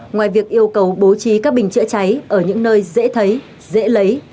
ngoài việc yêu cầu bố trí các bình chữa cháy ở những nơi dễ thấy dễ lấy